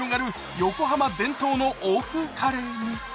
横浜伝統の欧風カレーに。